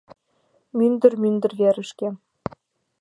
Мӱндыр-мӱндыр верышке.